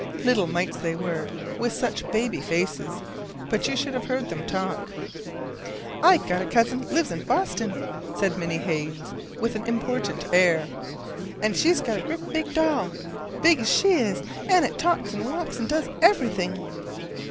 Little mites they were, with such baby faces, but you should have heard them talk. "I've got a cousin lives in Boston," said Minnie Haines, with an important little air, " an' she's got a great big doll 's big 's she is, an' it talks, an' walks, an' does ev'ryfing."